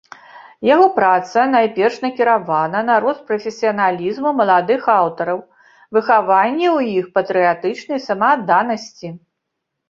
Яго праца найперш накіравана на рост прафесіяналізму маладых аўтараў, выхаванне ў іх патрыятычнай самаадданасці.